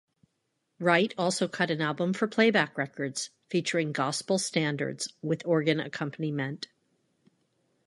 Wright also cut an album for Playback Records featuring gospel standards with organ accompaniment.